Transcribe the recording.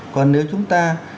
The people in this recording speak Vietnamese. còn nếu chúng ta